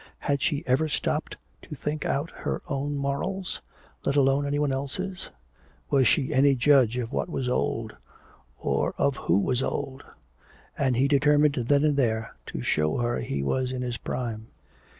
Had she ever stopped to think out her own morals, let alone anyone else's? Was she any judge of what was old or of who was old? And he determined then and there to show her he was in his prime.